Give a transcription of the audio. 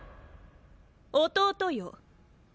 弟よ。